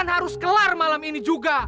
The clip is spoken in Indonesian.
dan harus kelar malam ini juga